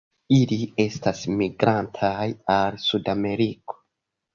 Ili estas migrantaj al Sudameriko.